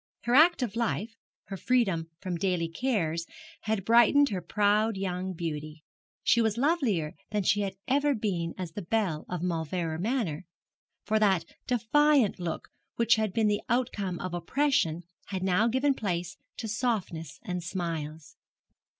Her active life, her freedom from daily cares, had brightened her proud young beauty. She was lovelier than she had ever been as the belle of Mauleverer Manor, for that defiant look which had been the outcome of oppression had now given place to softness and smiles.